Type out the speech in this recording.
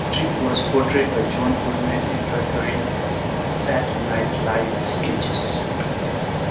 Tripp was portrayed by John Goodman in recurring "Saturday Night Live" sketches.